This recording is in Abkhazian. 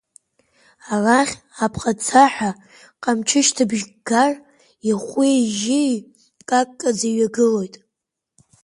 Арахь апҟацаҳәа ҟамчышьҭыбжьык гар, ихәи-жьы қақаӡа иҩагылоит.